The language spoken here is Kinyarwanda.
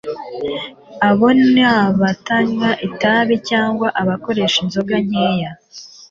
abo ni abatanywa itabi cg abakoresha inzoga nkeya